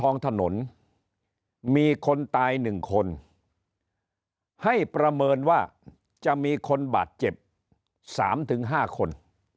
ใน๑คนให้ประเมินว่าจะมีคนบาดเจ็บ๓๕คน